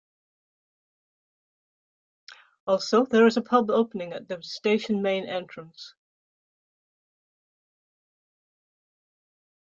Also, there is a pub opening at the station main entrance.